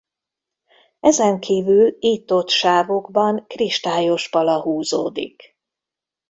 Ezen kívül itt-ott sávokban kristályos pala húzódik.